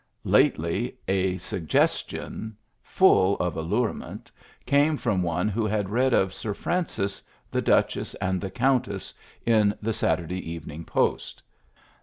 Lately a suggestion full of allurement came from one who had read of Sir Francis, the duchess, and the countess, in the Saturday Evening Post.